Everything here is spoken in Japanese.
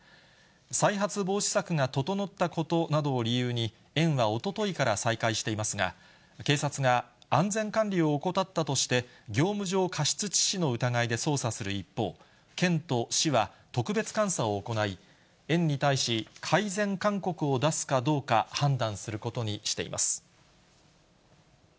再発防止策が整ったことなどを理由に、園はおとといから再開していますが、警察が安全管理を怠ったとして、業務上過失致死の疑いで捜査する一方、県と市は、特別監査を行い、園に対し、改善勧告を出すかどうか判断することにしています。